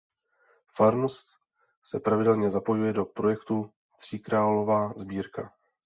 Farnost se pravidelně zapojuje do projektu Tříkrálová sbírka.